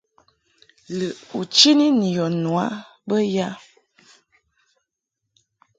Lɨʼ u chini ni yɔ nu a bə ya ?